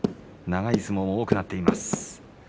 長い相撲が多くなっています。